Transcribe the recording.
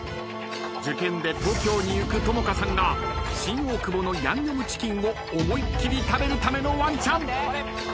受験で東京に行く朋華さんが新大久保のヤンニョムチキンを思いっ切り食べるためのワンチャン。